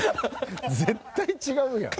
絶対違うやん。